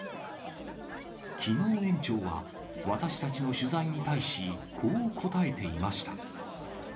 きのう、園長は、私たちの取材に対し、こう答えていました。